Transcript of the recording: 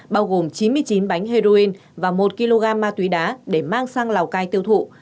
bao gồm chín mươi chín bánh heroin và một kg ma túy đá để mang sang lào cai tiêu thụ